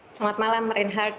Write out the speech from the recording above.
selamat malam reinhard